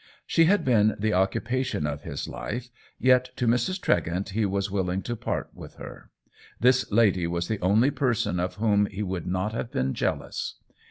She had been the occu pation of his life, yet to Mrs. Tregent he was willing to part with her ; this lady was the only person of whom he would not have been jealous.